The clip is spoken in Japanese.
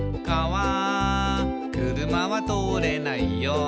「かわ車は通れないよ」